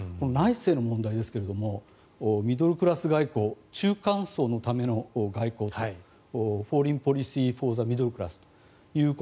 内政の問題ですがミドルクラス外交中間層のための外交フォーリン・ポリシー・フォー・ザ・ミドルクラス。